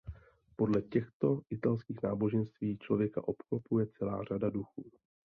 Podle těchto italských náboženství člověka obklopuje celá řada duchů.